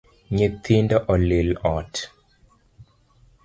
Nythindo olilo ot